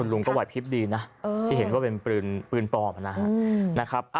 ลุงก็ไหวพลิบดีนะที่เห็นว่าเป็นปืนปลอมนะครับ